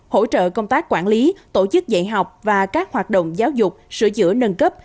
hỗ trợ công tác quản lý tổ chức dạy học và các hoạt động giáo dục sửa chữa nâng cấp